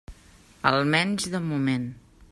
Almenys de moment.